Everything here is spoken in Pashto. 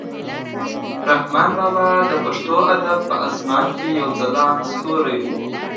رحمان بابا د پښتو ادب په اسمان کې یو ځلانده ستوری و.